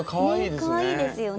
かわいいですよね。